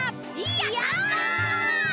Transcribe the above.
やった！